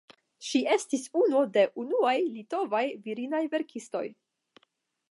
Ŝi estis unu de unuaj litovaj virinaj verkistoj.